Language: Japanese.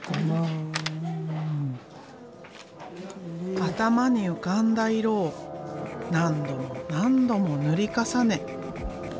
頭に浮かんだ色を何度も何度も塗り重ね。